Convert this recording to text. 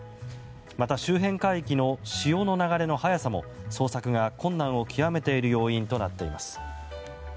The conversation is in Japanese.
また、周辺海域の潮の流れの速さも捜索が困難を極めている要因となっています。